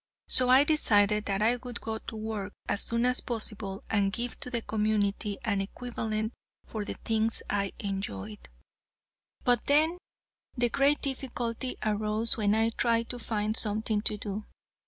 So I decided that I would go to work as soon as possible, and give to the community an equivalent for the things I enjoyed. But then, the great difficulty arose when I tried to find something to do.